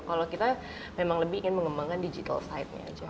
kalau kita memang lebih ingin mengembangkan digital side nya aja